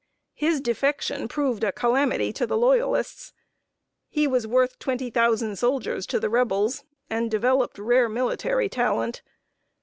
His defection proved a calamity to the Loyalists. He was worth twenty thousand soldiers to the Rebels, and developed rare military talent.